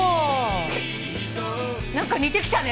何か似てきたね